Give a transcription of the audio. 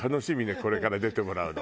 これから出てもらうの。